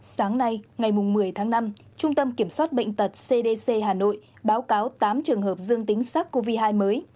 sáng nay ngày một mươi tháng năm trung tâm kiểm soát bệnh tật cdc hà nội báo cáo tám trường hợp dương tính sars cov hai mới